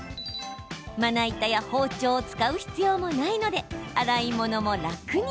まな板や包丁を使う必要もないので、洗い物も楽に。